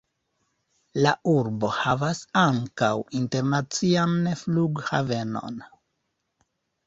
La urbo havas ankaŭ internacian flughavenon.